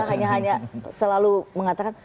hanya hanya selalu mengatakan